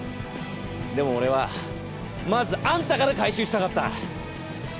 でも俺はまずあんたから回収したかった。